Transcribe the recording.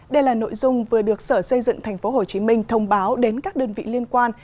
đây là nội dung vừa được sở xây dựng tp hcm thông báo đến các đơn vị liên quan